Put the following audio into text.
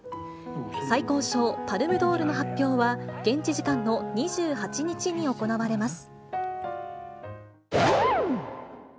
最高賞、パルムドールの発表は、現地時間の２８日に行われます。